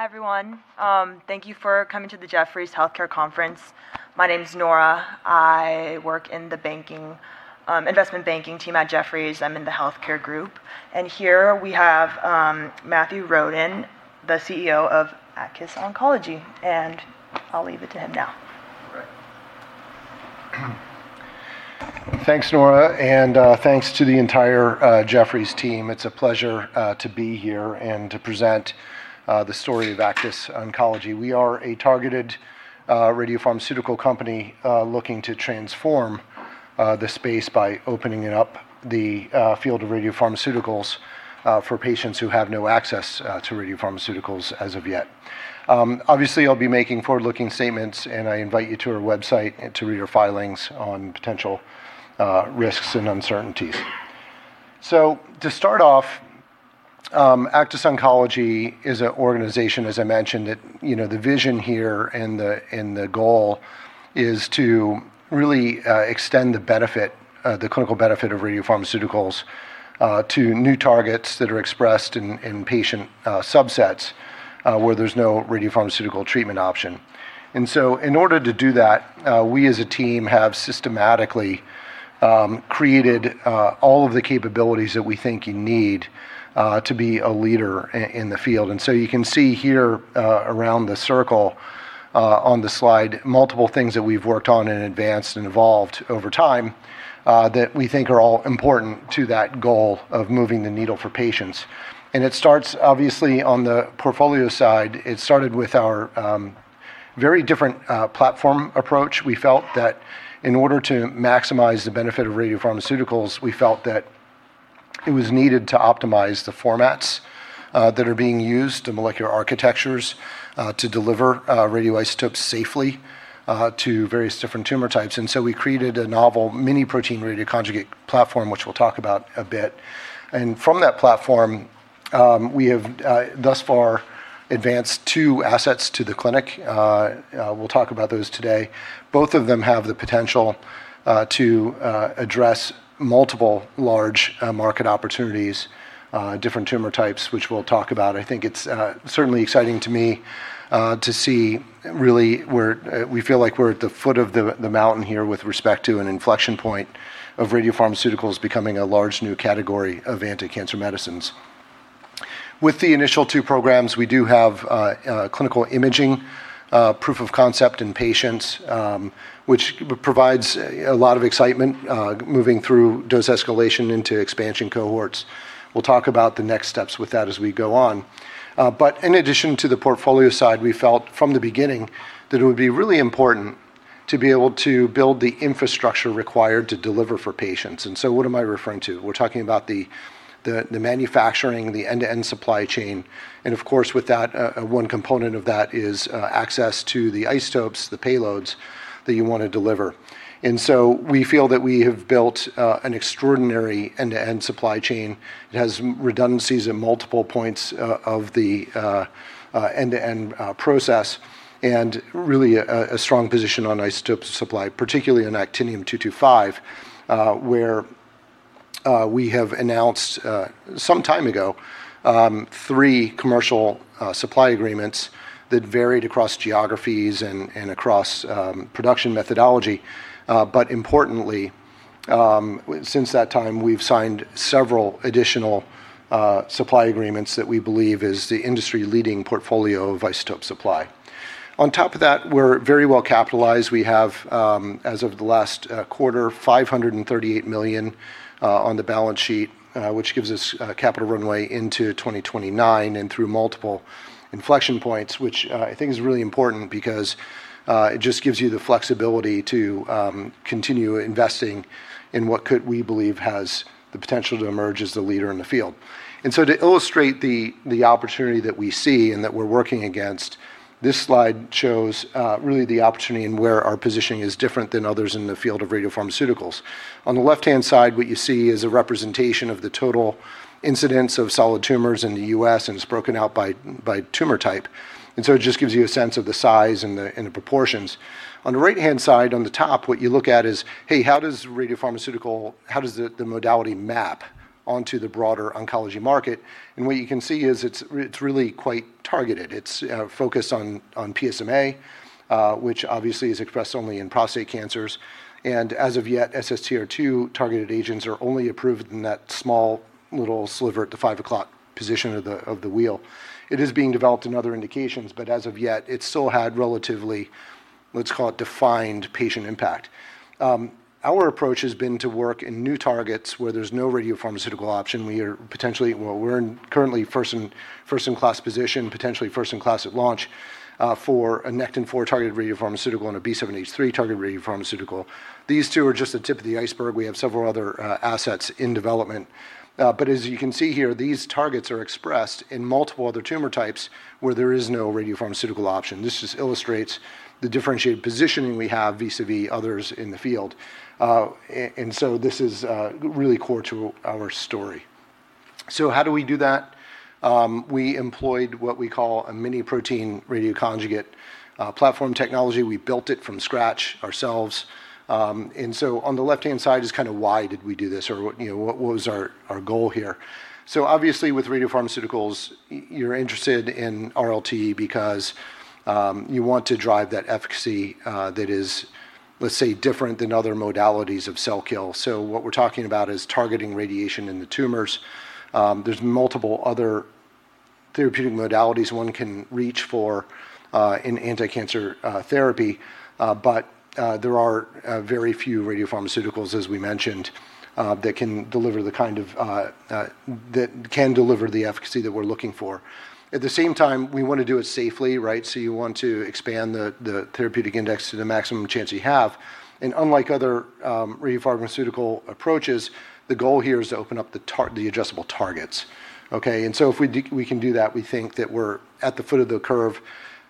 Hi, everyone. Thank you for coming to the Jefferies Healthcare Conference. My name's Nora. I work in the investment banking team at Jefferies. I'm in the healthcare group. Here we have Matthew Roden, the CEO of Aktis Oncology, and I'll leave it to him now. All right. Thanks, Nora, thanks to the entire Jefferies team. It's a pleasure to be here and to present the story of Aktis Oncology. We are a targeted radiopharmaceutical company looking to transform the space by opening up the field of radiopharmaceuticals for patients who have no access to radiopharmaceuticals as of yet. Obviously, I'll be making forward-looking statements, and I invite you to our website to read our filings on potential risks and uncertainties. To start off, Aktis Oncology is an organization, as I mentioned. The vision here and the goal is to really extend the clinical benefit of radiopharmaceuticals to new targets that are expressed in patient subsets where there's no radiopharmaceutical treatment option. In order to do that, we as a team have systematically created all of the capabilities that we think you need to be a leader in the field. You can see here around the circle on the slide, multiple things that we've worked on and advanced and evolved over time that we think are all important to that goal of moving the needle for patients. it starts, obviously, on the portfolio side. It started with our very different platform approach. We felt that in order to maximize the benefit of radiopharmaceuticals, we felt that it was needed to optimize the formats that are being used, the molecular architectures, to deliver radioisotopes safely to various different tumor types. we created a novel mini protein radioconjugate platform, which we'll talk about a bit. from that platform, we have thus far advanced two assets to the clinic. We'll talk about those today. Both of them have the potential to address multiple large market opportunities, different tumor types, which we'll talk about. I think it's certainly exciting to me to see, really, we feel like we're at the foot of the mountain here with respect to an inflection point of radiopharmaceuticals becoming a large new category of anticancer medicines. With the initial two programs, we do have clinical imaging proof of concept in patients, which provides a lot of excitement moving through dose escalation into expansion cohorts. We'll talk about the next steps with that as we go on. In addition to the portfolio side, we felt from the beginning that it would be really important to be able to build the infrastructure required to deliver for patients. What am I referring to? We're talking about the manufacturing, the end-to-end supply chain, and of course with that, one component of that is access to the isotopes, the payloads that you want to deliver. We feel that we have built an extraordinary end-to-end supply chain. It has redundancies in multiple points of the end-to-end process and really a strong position on isotope supply, particularly in actinium-225, where we have announced some time ago three commercial supply agreements that varied across geographies and across production methodology. Importantly, since that time, we've signed several additional supply agreements that we believe is the industry-leading portfolio of isotope supply. On top of that, we're very well capitalized. We have, as of the last quarter, $538 million on the balance sheet, which gives us capital runway into 2029 and through multiple inflection points, which I think is really important because it just gives you the flexibility to continue investing in what could, we believe, has the potential to emerge as the leader in the field. To illustrate the opportunity that we see and that we're working against, this slide shows really the opportunity and where our positioning is different than others in the field of radiopharmaceuticals. On the left-hand side, what you see is a representation of the total incidence of solid tumors in the U.S., and it's broken out by tumor type. It just gives you a sense of the size and the proportions. On the right-hand side, on the top, what you look at is, hey, how does the modality map onto the broader oncology market? What you can see is it's really quite targeted. It's focused on PSMA, which obviously is expressed only in prostate cancers. As of yet, SSTR2-targeted agents are only approved in that small little sliver at the 5 o'clock position of the wheel. It is being developed in other indications, but as of yet, it's still had relatively, let's call it defined patient impact. Our approach has been to work in new targets where there's no radiopharmaceutical option. We're currently first in class position, potentially first in class at launch for a Nectin-4 targeted radiopharmaceutical and a B7-H3 targeted radiopharmaceutical. These two are just the tip of the iceberg. We have several other assets in development. As you can see here, these targets are expressed in multiple other tumor types where there is no radiopharmaceutical option. This just illustrates the differentiated positioning we have vis-à-vis others in the field. This is really core to our story. How do we do that? We employed what we call a miniprotein radioconjugate platform technology. We built it from scratch ourselves. On the left-hand side is why did we do this or what was our goal here? Obviously with radiopharmaceuticals, you're interested in RLT because you want to drive that efficacy that is different than other modalities of cell kill. What we're talking about is targeting radiation in the tumors. There's multiple other therapeutic modalities one can reach for in anti-cancer therapy. There are very few radiopharmaceuticals, as we mentioned, that can deliver the efficacy that we're looking for. At the same time, we want to do it safely, right? You want to expand the therapeutic index to the maximum chance you have. Unlike other radiopharmaceutical approaches, the goal here is to open up the adjustable targets. Okay? If we can do that, we think that we're at the foot of the curve,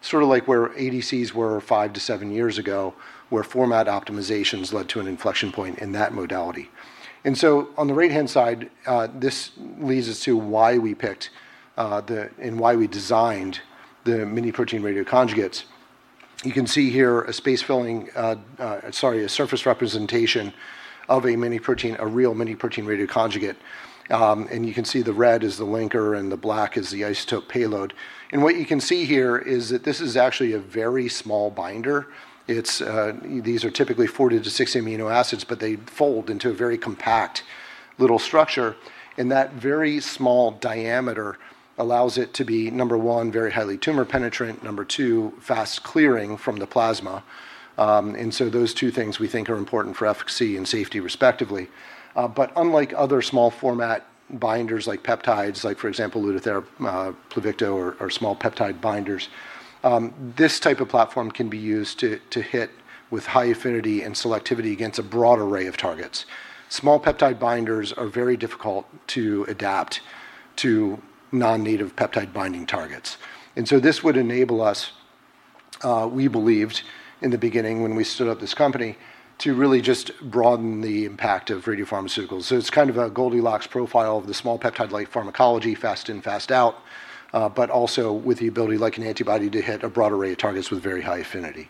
sort of like where ADCs were five to seven years ago, where format optimizations led to an inflection point in that modality. On the right-hand side, this leads us to why we picked and why we designed the mini-protein radioconjugates. You can see here a surface representation of a real mini-protein radioconjugate. You can see the red is the linker and the black is the isotope payload. What you can see here is that this is actually a very small binder. These are typically 40 amino acids-60 amino acids, but they fold into a very compact little structure. That very small diameter allows it to be, number one, very highly tumor-penetrant, number two, fast-clearing from the plasma. Those two things we think are important for efficacy and safety respectively. Unlike other small format binders like peptides, like for example, Lutathera, Pluvicto, or small peptide binders, this type of platform can be used to hit with high affinity and selectivity against a broad array of targets. Small peptide binders are very difficult to adapt to non-native peptide binding targets. This would enable us, we believed in the beginning when we stood up this company, to really just broaden the impact of radiopharmaceuticals. It's kind of a Goldilocks profile of the small peptide-like pharmacology, fast in, fast out, but also with the ability like an antibody to hit a broad array of targets with very high affinity.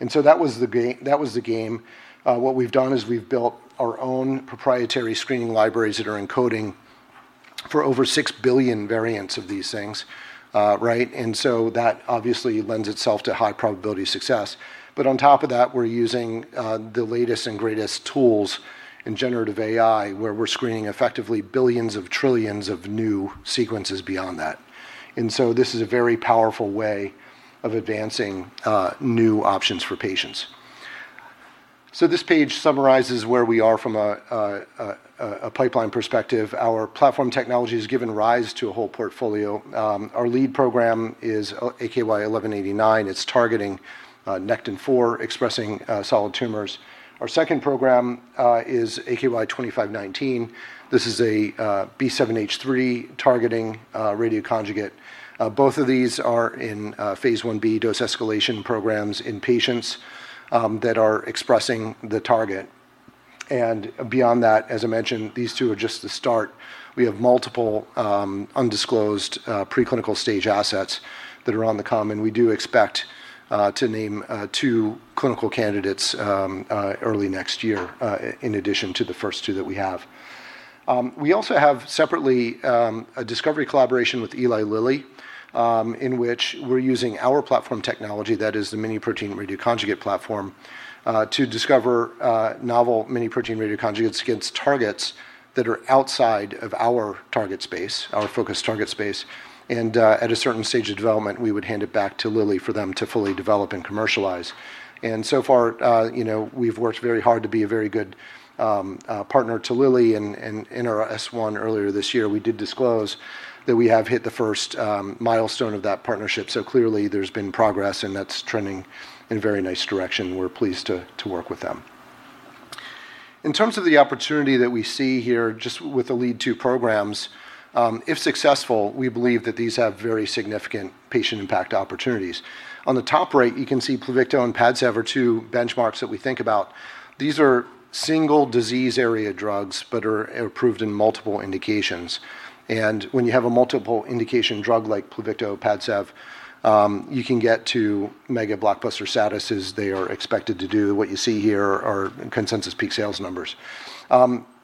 That was the game. What we've done is we've built our own proprietary screening libraries that are encoding for over 6 billion variants of these things. Right? That obviously lends itself to high probability of success. On top of that, we're using the latest and greatest tools in generative AI, where we're screening effectively billions of trillions of new sequences beyond that. This is a very powerful way of advancing new options for patients. This page summarizes where we are from a pipeline perspective. Our platform technology has given rise to a whole portfolio. Our lead program is AKY-1189. It's targeting Nectin-4 expressing solid tumors. Our second program is AKY-2519. This is a B7-H3 targeting radioconjugate. Both of these are in phase I-B dose escalation programs in patients that are expressing the target. Beyond that, as I mentioned, these two are just the start. We have multiple undisclosed preclinical stage assets that are on the come, and we do expect to name two clinical candidates early next year in addition to the first two that we have. We also have separately a discovery collaboration with Eli Lilly, in which we're using our platform technology, that is the mini-protein radioconjugate platform, to discover novel mini-protein radioconjugates against targets that are outside of our target space, our focused target space. At a certain stage of development, we would hand it back to Lilly for them to fully develop and commercialize. So far, we've worked very hard to be a very good partner to Lilly, and in our H1 earlier this year, we did disclose that we have hit the first milestone of that partnership. Clearly there's been progress, and that's trending in a very nice direction. We're pleased to work with them. In terms of the opportunity that we see here just with the lead two programs, if successful, we believe that these have very significant patient impact opportunities. On the top right, you can see Pluvicto and Padcev are two benchmarks that we think about. These are single disease area drugs that are approved in multiple indications. When you have a multiple indication drug like Pluvicto or Padcev, you can get to mega-blockbuster status as they are expected to do. What you see here are consensus peak sales numbers.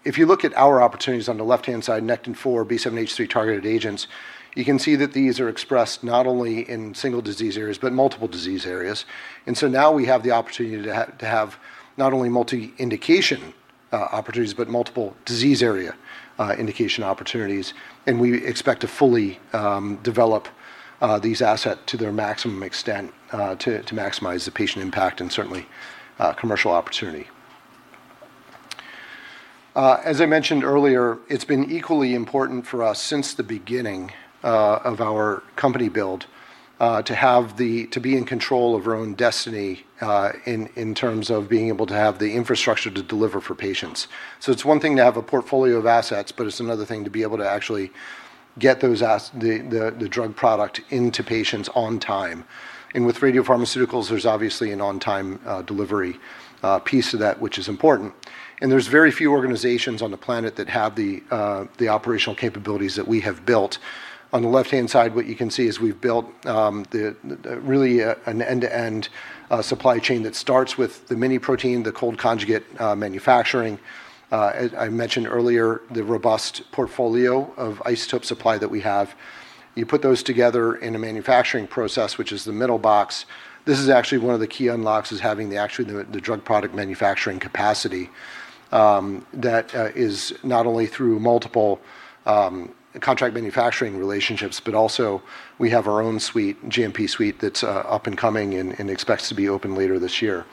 If you look at our opportunities on the left-hand side, Nectin-4, B7-H3 targeted agents, you can see that these are expressed not only in single disease areas but multiple disease areas. Now we have the opportunity to have not only multi-indication opportunities but multiple disease area indication opportunities, and we expect to fully develop these assets to their maximum extent to maximize the patient impact and certainly commercial opportunity. As I mentioned earlier, it's been equally important for us since the beginning of our company build to be in control of our own destiny in terms of being able to have the infrastructure to deliver for patients. It's one thing to have a portfolio of assets, but it's another thing to be able to actually get the drug product into patients on time. With radiopharmaceuticals, there's obviously an on-time delivery piece to that which is important. There's very few organizations on the planet that have the operational capabilities that we have built. On the left-hand side, what you can see is we've built really an end-to-end supply chain that starts with the mini-protein, the cold conjugate manufacturing. As I mentioned earlier, the robust portfolio of isotope supply that we have. You put those together in a manufacturing process, which is the middle box. This is actually one of the key unlocks is having the actual drug product manufacturing capacity that is not only through multiple contract manufacturing relationships, but also we have our own GMP suite that's up and coming and expects to be open later this year.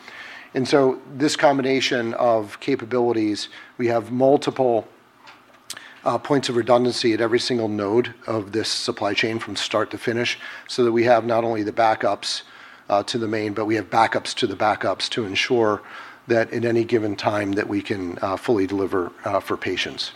This combination of capabilities, we have multiple points of redundancy at every single node of this supply chain from start to finish, so that we have not only the backups to the main, but we have backups to the backups to ensure that at any given time that we can fully deliver for patients.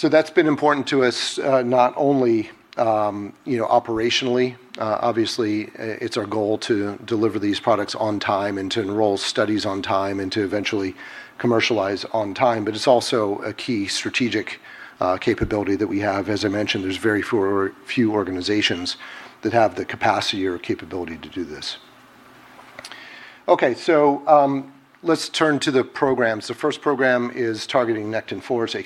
That's been important to us not only operationally. Obviously, it's our goal to deliver these products on time and to enroll studies on time and to eventually commercialize on time. It's also a key strategic capability that we have. As I mentioned, there's very few organizations that have the capacity or capability to do this. Okay. Let's turn to the programs. The first program is targeting Nectin-4,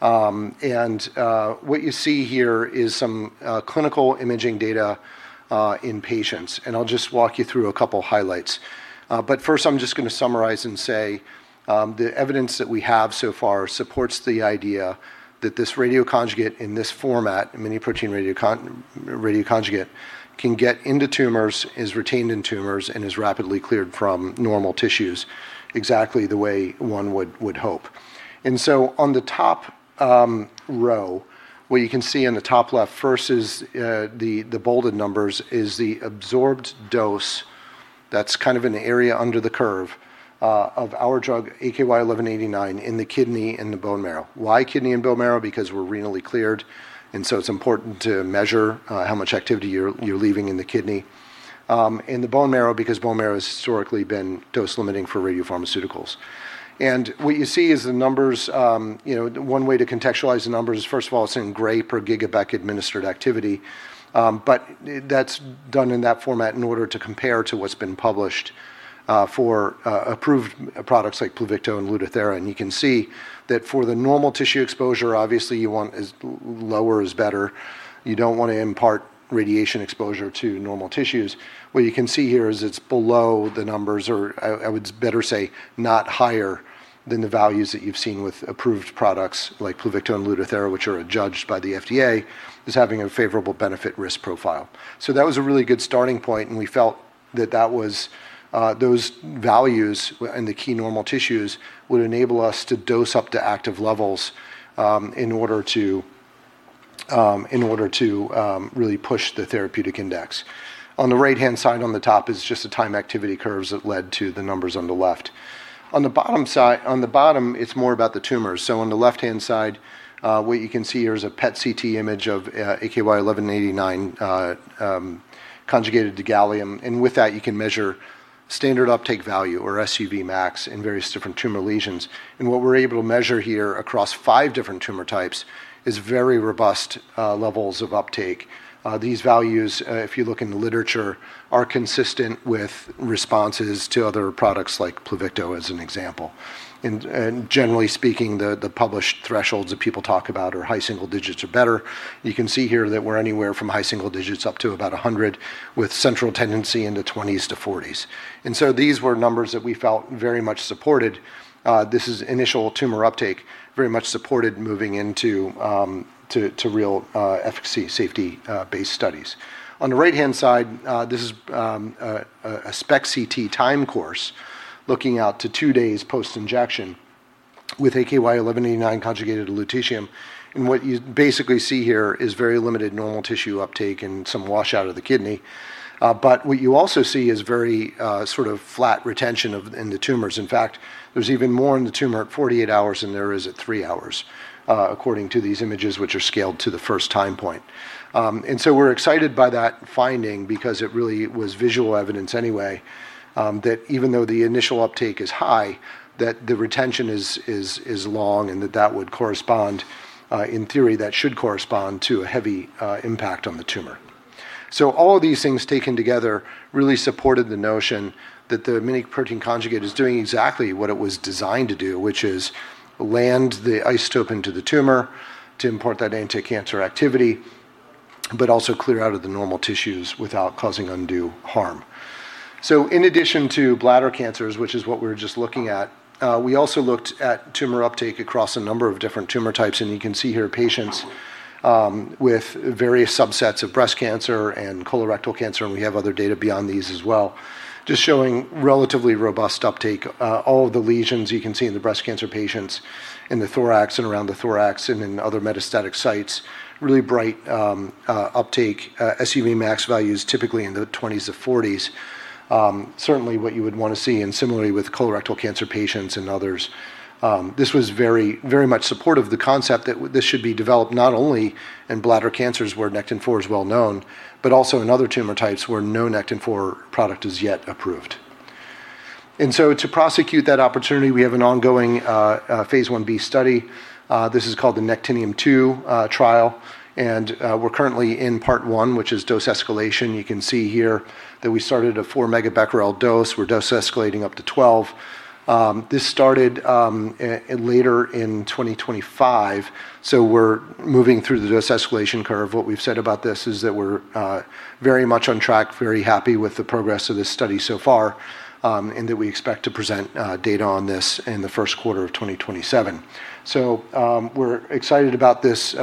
AKY-1189. What you see here is some clinical imaging data in patients. I'll just walk you through a couple highlights. First I'm just going to summarize and say the evidence that we have so far supports the idea that this radioconjugate in this format, miniprotein radioconjugate, can get into tumors, is retained in tumors, and is rapidly cleared from normal tissues exactly the way one would hope. On the top row, what you can see in the top left first is the bolded numbers is the absorbed dose. That's kind of in the area under the curve of our drug, AKY-1189, in the kidney and the bone marrow. Why kidney and bone marrow? Because we're renally cleared, and so it's important to measure how much activity you're leaving in the kidney. The bone marrow, because bone marrow has historically been dose limiting for radiopharmaceuticals. What you see is the numbers. One way to contextualize the numbers is, first of all, it's in gray per gigabecquerel administered activity. That's done in that format in order to compare to what's been published for approved products like Pluvicto and Lutathera. You can see that for the normal tissue exposure, obviously you want lower is better. You don't want to impart radiation exposure to normal tissues. What you can see here is it's below the numbers or I would better say not higher than the values that you've seen with approved products like Pluvicto and Lutathera, which are adjudged by the FDA as having a favorable benefit risk profile. That was a really good starting point, and we felt that those values in the key normal tissues would enable us to dose up to active levels in order to really push the therapeutic index. On the right-hand side on the top is just the time activity curves that led to the numbers on the left. On the bottom, it's more about the tumors. On the left-hand side, what you can see here is a PET CT image of AKY-1189 conjugated to gallium. With that, you can measure standard uptake value or SUV max in various different tumor lesions. What we're able to measure here across five different tumor types is very robust levels of uptake. These values, if you look in the literature, are consistent with responses to other products like Pluvicto as an example. Generally speaking, the published thresholds that people talk about are high single digits or better. You can see here that we're anywhere from high single digits up to about 100 with central tendency in the 20s to 40s. These were numbers that we felt very much supported. This is initial tumor uptake, very much supported moving into real efficacy, safety-based studies. On the right-hand side, this is a SPECT/CT time course looking out to two days post-injection with AKY-1189 conjugated lutetium. What you basically see here is very limited normal tissue uptake and some washout of the kidney. What you also see is very sort of flat retention in the tumors. In fact, there's even more in the tumor at 48 hours than there is at three hours according to these images which are scaled to the first time point. We're excited by that finding because it really was visual evidence anyway that even though the initial uptake is high, that the retention is long and that that would correspond in theory, that should correspond to a heavy impact on the tumor. All of these things taken together really supported the notion that the mini protein conjugate is doing exactly what it was designed to do, which is land the isotope into the tumor to impart that anticancer activity, but also clear out of the normal tissues without causing undue harm. In addition to bladder cancers, which is what we were just looking at, we also looked at tumor uptake across a number of different tumor types. You can see here patients with various subsets of breast cancer and colorectal cancer, and we have other data beyond these as well, just showing relatively robust uptake. All of the lesions you can see in the breast cancer patients in the thorax and around the thorax and in other metastatic sites, really bright uptake, SUV max values typically in the 20s to 40s. Certainly what you would want to see. Similarly with colorectal cancer patients and others. This was very much supportive of the concept that this should be developed not only in bladder cancers where Nectin-4 is well known, but also in other tumor types where no Nectin-4 product is yet approved. To prosecute that opportunity, we have an ongoing phase I-B study. This is called the NECTINIUM-2 trial, and we're currently in part one, which is dose escalation. You can see here that we started a four megabecquerel dose. We're dose escalating up to 12. This started later in 2025, so we're moving through the dose escalation curve. What we've said about this is that we're very much on track, very happy with the progress of this study so far, and that we expect to present data on this in the first quarter of 2027. We're excited about this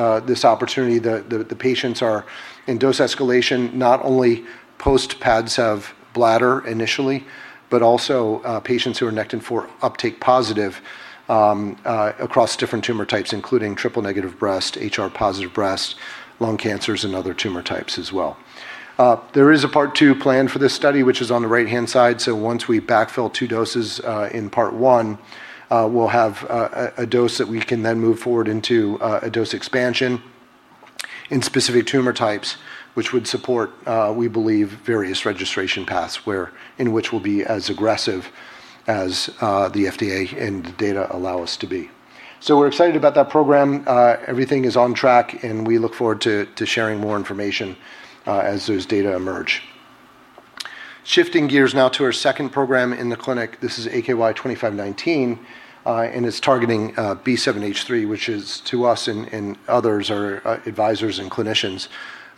opportunity. The patients are in dose escalation, not only post-Padcev of bladder initially, but also patients who are actinium uptake positive across different tumor types, including triple negative breast, HR positive breast, lung cancers, and other tumor types as well. There is a part two plan for this study, which is on the right-hand side. Once we backfill two doses in part one, we'll have a dose that we can then move forward into a dose expansion in specific tumor types, which would support, we believe, various registration paths in which we'll be as aggressive as the FDA and the data allow us to be. We're excited about that program. Everything is on track, and we look forward to sharing more information as those data emerge. Shifting gears now to our second program in the clinic. This is AKY-2519, and it's targeting B7-H3, which is to us and others, our advisors and clinicians,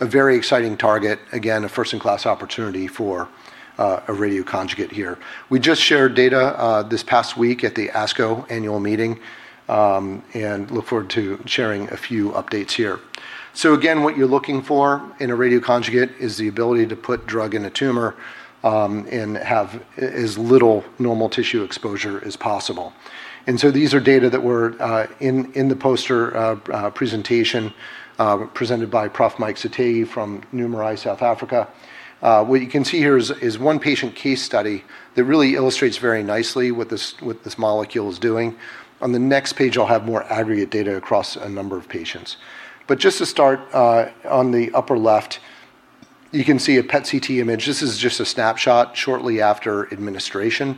a very exciting target, again, a first-in-class opportunity for a radioconjugate here. We just shared data this past week at the ASCO annual meeting, and look forward to sharing a few updates here. Again, what you're looking for in a radioconjugate is the ability to put drug in a tumor and have as little normal tissue exposure as possible. These are data that were in the poster presentation presented by Prof Mike Sathekge from NuMeRI, South Africa. What you can see here is one patient case study that really illustrates very nicely what this molecule is doing. On the next page, I'll have more aggregate data across a number of patients. Just to start, on the upper left, you can see a PET CT image. This is just a snapshot shortly after administration.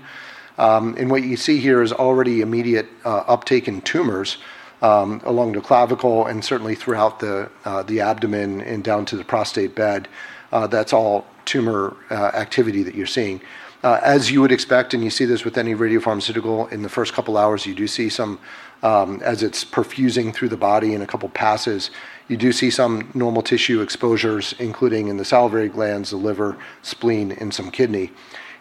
What you see here is already immediate uptake in tumors along the clavicle and certainly throughout the abdomen and down to the prostate bed. That's all tumor activity that you're seeing. As you would expect, and you see this with any radiopharmaceutical, in the first couple of hours, as it's perfusing through the body in a couple of passes, you do see some normal tissue exposures, including in the salivary glands, the liver, spleen, and some kidney.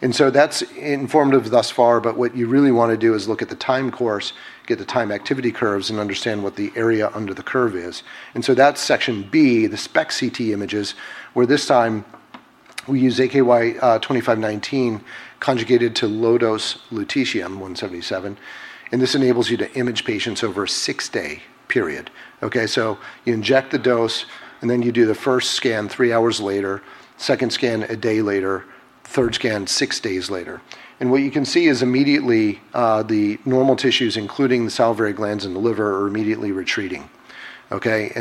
That's informative thus far. What you really want to do is look at the time course, get the time activity curves, and understand what the area under the curve is. That's section B, the SPECT/CT images, where this time we use AKY-2519 conjugated to low dose Lutetium-177. this enables you to image patients over a six-day period. Okay? you inject the dose, and then you do the first scan three hours later, second scan a day later, third scan six days later. what you can see is immediately the normal tissues, including the salivary glands and the liver, are immediately retreating. Okay?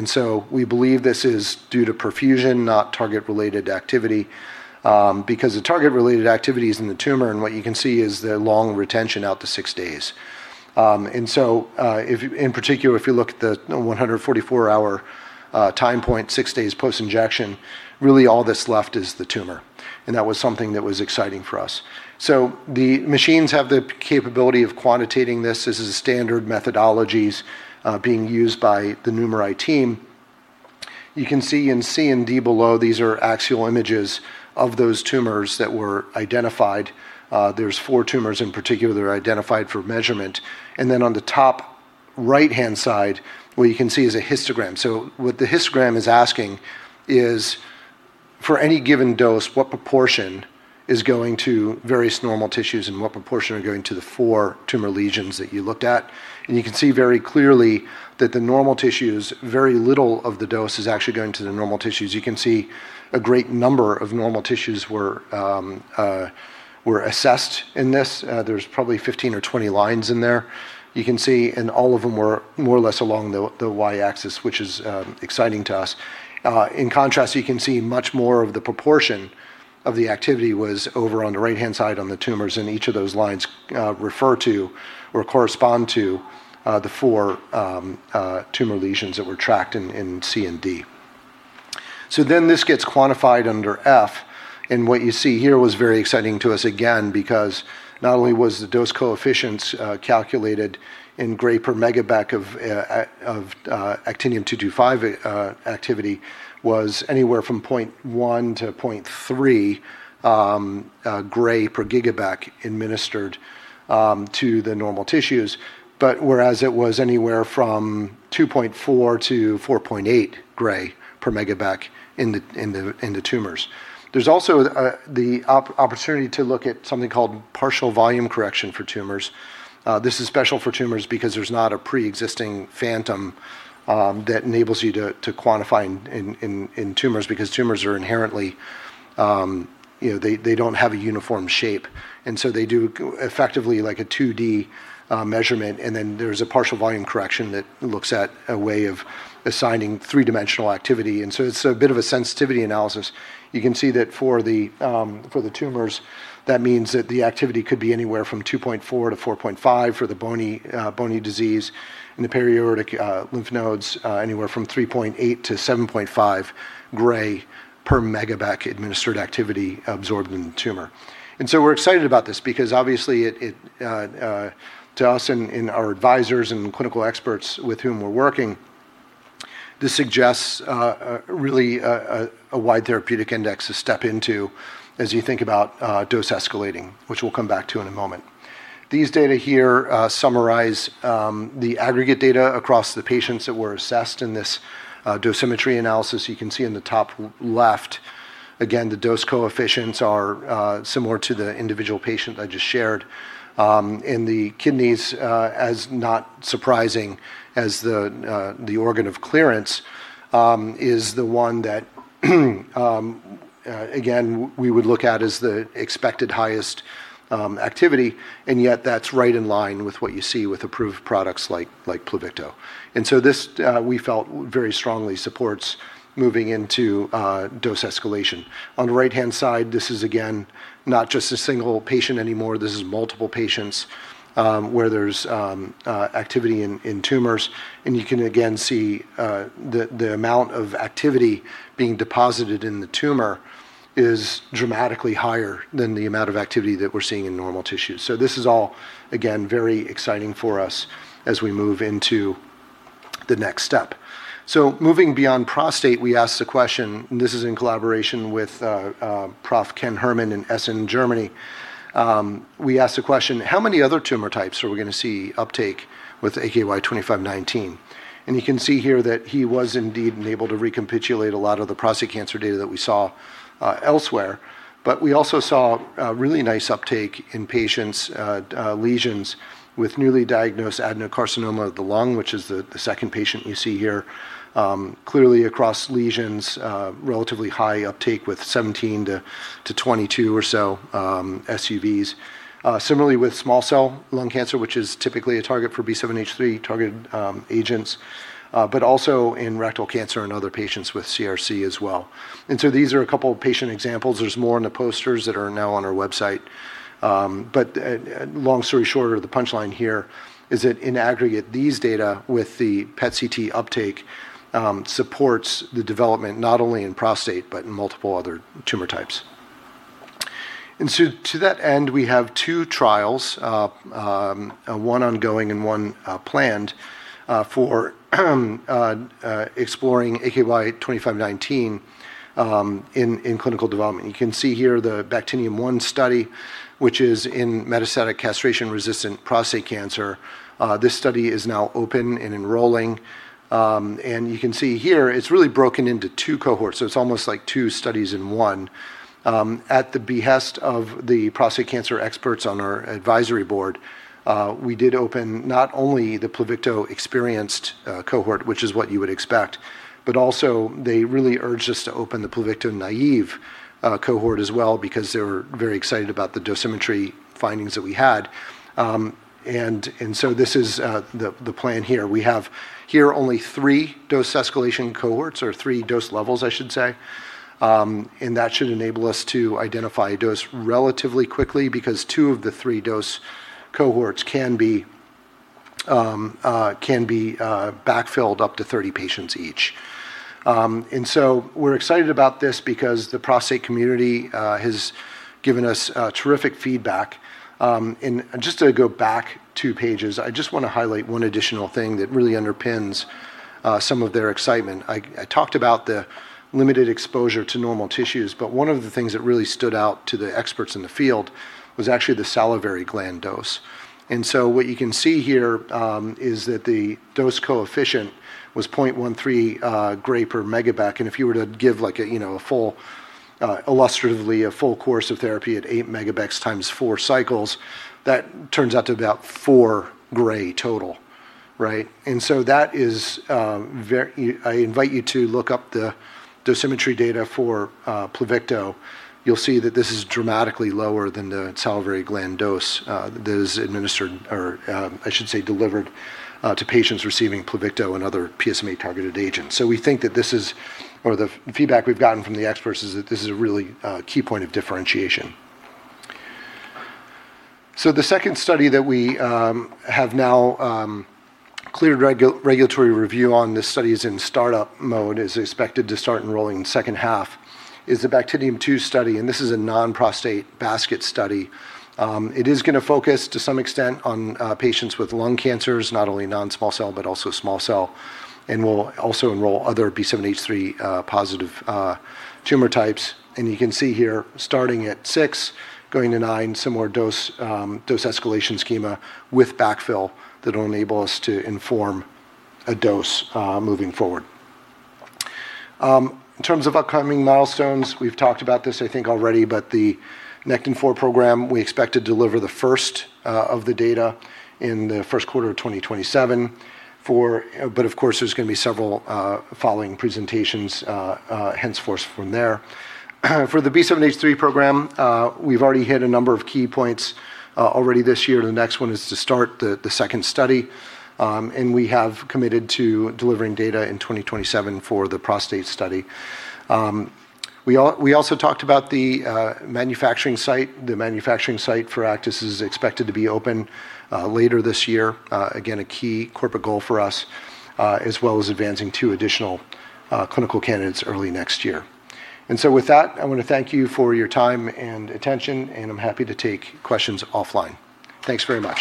we believe this is due to perfusion, not target-related activity, because the target-related activity is in the tumor, and what you can see is the long retention out to six days. in particular, if you look at the 144-hour time point, six days post-injection, really all that's left is the tumor. that was something that was exciting for us. The machines have the capability of quantitating this. This is standard methodologies being used by the NuMeRI team. You can see in C and D below, these are axial images of those tumors that were identified. There's four tumors in particular that are identified for measurement. On the top right-hand side, what you can see is a histogram. What the histogram is asking is for any given dose, what proportion is going to various normal tissues and what proportion are going to the four tumor lesions that you looked at? You can see very clearly that the normal tissues, very little of the dose is actually going to the normal tissues. You can see a great number of normal tissues were assessed in this. There's probably 15 or 20 lines in there. You can see, and all of them were more or less along the y-axis, which is exciting to us. In contrast, you can see much more of the proportion of the activity was over on the right-hand side on the tumors, and each of those lines refer to or correspond to the four tumor lesions that were tracked in C and D. This gets quantified under F, and what you see here was very exciting to us again, because not only was the dose coefficients calculated in gray per megabec of actinium-225 activity was anywhere from 0.1 Gy/GBq-0.3 Gy/GBq administered to the normal tissues. Whereas it was anywhere from 2.4 Gy/MBq-4.8 Gy/MBq in the tumors. There's also the opportunity to look at something called partial volume correction for tumors. This is special for tumors because there's not a preexisting phantom that enables you to quantify in tumors because tumors are inherently, they don't have a uniform shape, and so they do effectively a 2D measurement, and then there's a partial volume correction that looks at a way of assigning three-dimensional activity. It's a bit of a sensitivity analysis. You can see that for the tumors, that means that the activity could be anywhere from 2.4 Gy/MBq-4.5 Gy/MBq for the bony disease. In the periaortic lymph nodes, anywhere from 3.8 Gy/MBq-7.5 Gy/MBq administered activity absorbed in the tumor. We're excited about this because obviously, to us and our advisors and clinical experts with whom we're working, this suggests really a wide therapeutic index to step into as you think about dose escalating, which we'll come back to in a moment. These data here summarize the aggregate data across the patients that were assessed in this dosimetry analysis. You can see in the top left, again, the dose coefficients are similar to the individual patient I just shared. In the kidneys, as not surprising as the organ of clearance, is the one that again, we would look at as the expected highest activity, and yet that's right in line with what you see with approved products like Pluvicto. This, we felt, very strongly supports moving into dose escalation. On the right-hand side, this is, again, not just a single patient anymore. This is multiple patients, where there's activity in tumors. You can, again, see the amount of activity being deposited in the tumor is dramatically higher than the amount of activity that we're seeing in normal tissue. This is all, again, very exciting for us as we move into the next step. Moving beyond prostate, we asked the question, and this is in collaboration with Prof. Ken Herrmann in Essen, Germany. We asked the question: how many other tumor types are we going to see uptake with AKY-2519? You can see here that he was indeed able to recapitulate a lot of the prostate cancer data that we saw elsewhere. We also saw a really nice uptake in patients' lesions with newly diagnosed adenocarcinoma of the lung, which is the second patient you see here. Clearly across lesions, relatively high uptake with 17 to 22 or so SUVs. Similarly with small cell lung cancer, which is typically a target for B7-H3 targeted agents, but also in rectal cancer and other patients with CRC as well. These are a couple patient examples. There's more in the posters that are now on our website. Long story shorter, the punchline here is that in aggregate, these data with the PET CT uptake supports the development not only in prostate but in multiple other tumor types. To that end, we have two trials, one ongoing and one planned for exploring AKY-2519 in clinical development. You can see here the BActinium-1 study, which is in metastatic castration-resistant prostate cancer. This study is now open and enrolling. You can see here it's really broken into two cohorts, so it's almost like two studies in one. At the behest of the prostate cancer experts on our advisory board, we did open not only the Pluvicto-experienced cohort, which is what you would expect, but also they really urged us to open the Pluvicto-naive cohort as well because they were very excited about the dosimetry findings that we had. This is the plan here. We have here only three dose escalation cohorts or three dose levels, I should say. That should enable us to identify a dose relatively quickly because two of the three dose cohorts can be backfilled up to 30 patients each. We're excited about this because the prostate community has given us terrific feedback. Just to go back two pages, I just want to highlight one additional thing that really underpins some of their excitement. I talked about the limited exposure to normal tissues, but one of the things that really stood out to the experts in the field was actually the salivary gland dose. What you can see here is that the dose coefficient was 0.13 Gy/MBq. If you were to give illustratively a full course of therapy at 8 MBq times four cycles, that turns out to about 4 Gy total. Right? I invite you to look up the dosimetry data for Pluvicto. You'll see that this is dramatically lower than the salivary gland dose that is administered or I should say delivered to patients receiving Pluvicto and other PSMA targeted agents. We think that the feedback we've gotten from the experts is that this is a really key point of differentiation. the second study that we have now cleared regulatory review on this study is in startup mode, is expected to start enrolling in second half, is the BActinium-2 study, and this is a non-prostate basket study. It is going to focus, to some extent, on patients with lung cancers, not only non-small cell, but also small cell, and will also enroll other B7-H3 positive tumor types. you can see here, starting at six, going to nine, similar dose escalation schema with backfill that will enable us to inform a dose moving forward. In terms of upcoming milestones, we've talked about this I think already, but the Nectin-4 program we expect to deliver the first of the data in the first quarter of 2027. of course, there's going to be several following presentations henceforth from there. For the B7-H3 program, we've already hit a number of key points already this year. The next one is to start the second study, and we have committed to delivering data in 2027 for the prostate study. We also talked about the manufacturing site. The manufacturing site for Aktis is expected to be open later this year. Again, a key corporate goal for us, as well as advancing two additional clinical candidates early next year. With that, I want to thank you for your time and attention, and I'm happy to take questions offline. Thanks very much